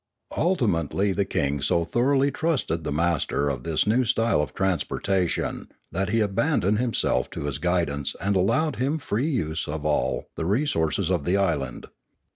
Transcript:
Ultimately the king so thoroughly trusted the master of this new style of transportation that he abandoned himself to his guidance and allowed him free use of all the resources of the island.